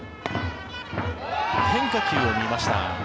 変化球を見ました。